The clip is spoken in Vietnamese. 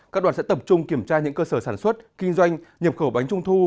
các đoàn sẽ tập trung kiểm tra những cơ sở sản xuất kinh doanh nhập khẩu bánh trung thu